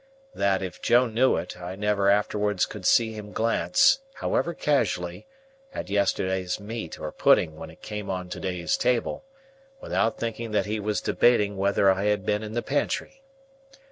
That, if Joe knew it, I never afterwards could see him glance, however casually, at yesterday's meat or pudding when it came on to day's table, without thinking that he was debating whether I had been in the pantry.